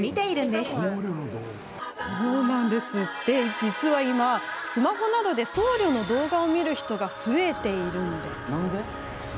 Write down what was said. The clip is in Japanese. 実は今、スマホなどで僧侶の動画を見る人が増えているんです。